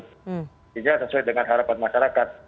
sehingga sesuai dengan harapan masyarakat